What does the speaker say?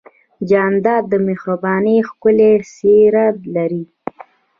جانداد د مهربانۍ ښکلی څېرہ لري.